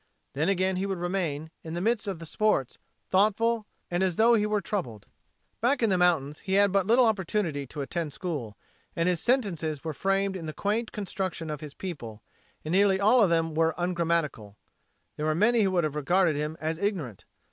Then again he would remain, in the midst of the sports, thoughtful, and as tho he were troubled. Back in the mountains he had but little opportunity to attend school, and his sentences were framed in the quaint construction of his people, and nearly all of them were ungrammatical. There were many who would have regarded him as ignorant.